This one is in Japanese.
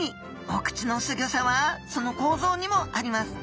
お口のすギョさはその構造にもあります。